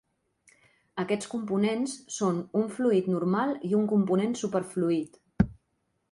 Aquests components són un fluid normal i un component superfluid.